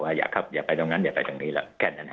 อย่าไปตรงนั้นอย่าไปตรงนี้หรอกแค่นั้น